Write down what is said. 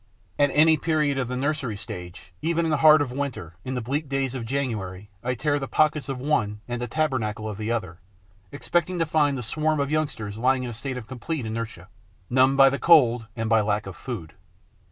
At any period of the nursery stage, even in the heart of winter, on the bleak days of January, I tear the pockets of the one and the tabernacle of the other, expecting to find the swarm of youngsters lying in a state of complete inertia, numbed by the cold and by lack of food.